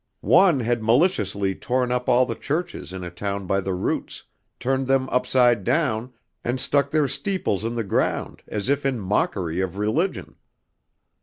One had maliciously torn up all the churches in a town by the roots, turned them upside down and stuck their steeples in the ground as if in mockery of religion.